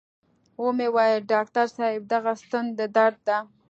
و مې ويل ډاکتر صاحب دغه ستن د درد ده.